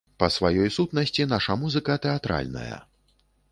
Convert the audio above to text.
Па сваёй сутнасці наша музыка тэатральная.